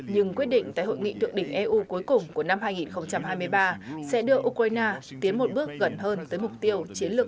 nhưng quyết định tại hội nghị thượng đỉnh eu cuối cùng của năm hai nghìn hai mươi ba sẽ đưa ukraine tiến một bước gần hơn tới mục tiêu